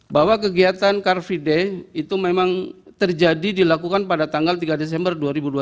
bahwa kegiatan car free day itu memang terjadi dilakukan pada tanggal tiga desember dua ribu dua puluh